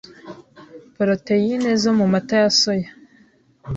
poroteyine zo mu mata ya soya